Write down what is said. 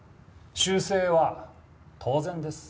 修正は当然です。